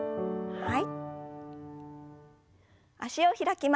はい。